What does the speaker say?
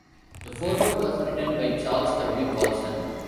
The foreword was written by Charles W. Colson.